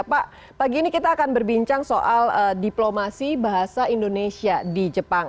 pak pagi ini kita akan berbincang soal diplomasi bahasa indonesia di jepang